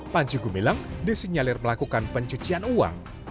panji gumilang disinyalir melakukan pencucian uang